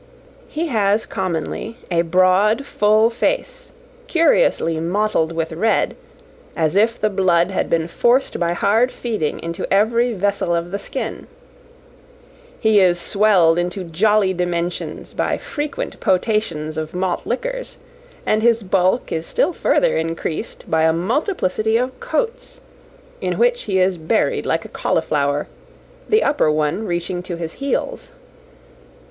He has commonly a broad, full face, curiously mottled with red, as if the blood had been forced by hard feeding into every vessel of the skin; he is swelled into jolly dimensions by frequent potations of malt liquors, and his bulk is still further increased by a multiplicity of coats, in which he is buried like a cauliflower, the upper one reaching to his heels.